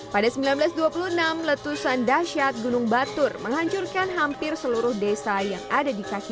pada seribu sembilan ratus dua puluh enam letusan dasyat gunung batur menghancurkan hampir seluruh desa yang ada di kaki